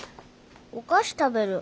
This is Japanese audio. お菓子食べる。